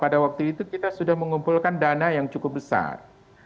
karena pada waktu itu kita sudah mengumpulkan dana yang cukup besar